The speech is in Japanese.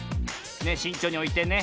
しんちょうにおいてね。